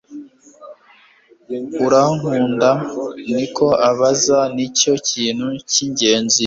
"Urankunda?" Niko abaza. Nicyo kintu cy'ingenzi.